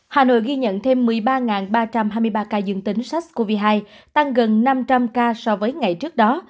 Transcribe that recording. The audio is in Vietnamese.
hà nội ghi nhận thêm một mươi ba ba trăm hai mươi ba ca dương tính sars cov hai tăng gần năm trăm linh ca so với ngày trước đó